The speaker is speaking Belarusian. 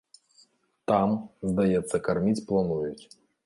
Там, здаецца, карміць плануюць.